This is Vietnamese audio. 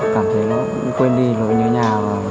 cảm thấy quên đi nhớ nhà